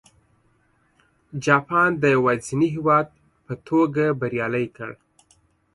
جاپان د یوازیني هېواد په توګه بریالی کړ.